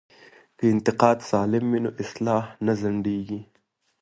که انتقاد سالم وي نو اصلاح نه ځنډیږي.